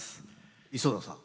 磯田さん。